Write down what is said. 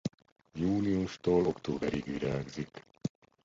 Júniustól októberig virágzik.